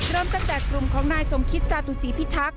เริ่มตั้งแต่กลุ่มของนายสมคิตจาตุศีพิทักษ